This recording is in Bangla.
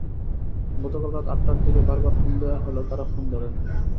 গতকাল রাত আটটার দিকে বারবার ফোন দেওয়া হলেও তাঁরা ফোন ধরেননি।